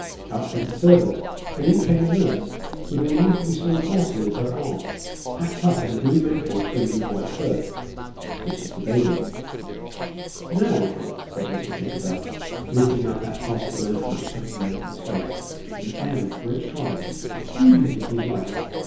Out went the servant, and in came the nurse, with a remarkably small parcel in her arms, packed up in a blue mantle trimmed with white fur. This was the baby. 362 Sketches by Boz. " Now, uncle," said Mr. Kitterbell, lifting up that part of the mantle which covered the infant's face, with an air of great triumph, " Who do you think he's like